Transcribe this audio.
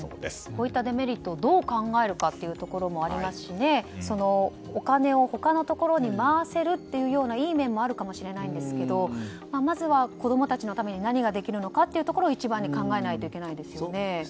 こういったデメリットをどう考えるかというところもありますしお金を他のところに回せるというようないい面もあるかもしれないんですがまずは子供たちのために何ができるのかというところを一番に考えないといけないですよね。